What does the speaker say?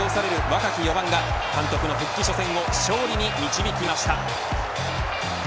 若き４番が監督の復帰初戦を勝利に導きました。